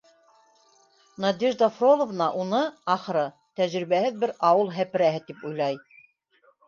Надежда Фроловна уны, ахыры, тәжрибәһеҙ бер ауыл һәперәһе тип уйлай.